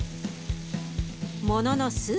ものの数分。